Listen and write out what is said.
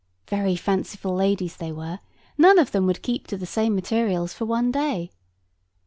Very fanciful ladies they were; none of them would keep to the same materials for a day.